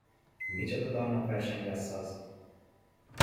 Micsoda dalnokverseny lesz az!